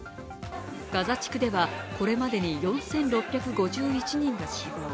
ガザ地区ではこれまでに４６５１人が死亡。